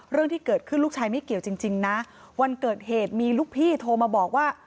เรื่องที่เกิดขึ้นลูกชายไม่เกี่ยวจริงนะวันเกิดเหตุมีลูกพี่โทรมาบอกว่า